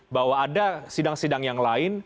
bahwa ada sidang sidang yang lain